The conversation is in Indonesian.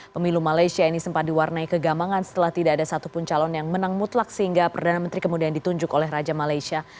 pemilu malaysia ini sempat diwarnai kegambangan setelah tidak ada satupun calon yang menang mutlak sehingga perdana menteri kemudian ditunjuk oleh raja malaysia